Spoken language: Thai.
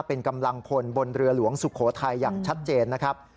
เป็นกำลังพลบนเรือหลวงสุโขทัยอย่างชัดเจนนะครับ